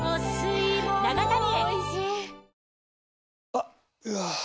あっ、うわー。